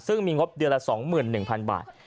ซึ่งมีงบเดือนละ๒๑๐๐๐บาท